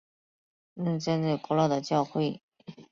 尼什郊区还有塞尔维亚最古老的教会。